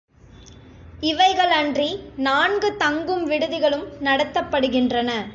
இவைகளன்றி நான்கு தங்கும் விடுதிகளும் நடத்தப்படுகின்றன.